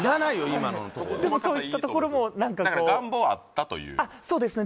今のとこでもそういったところもだから願望あったというそうですね